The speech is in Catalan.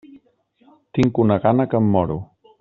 Tinc una gana que em moro.